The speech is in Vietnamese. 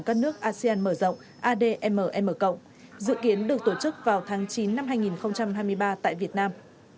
các nước asean mở rộng admm dự kiến được tổ chức vào tháng chín năm hai nghìn hai mươi ba tại việt nam